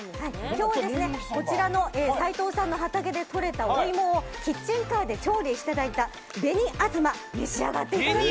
今日は、こちらの斎藤さんの畑でとれたお芋をキッチンカーで調理していただいた紅あずまを召し上がってください。